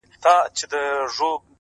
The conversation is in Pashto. • د پریان لوري؛ د هرات او ګندارا لوري؛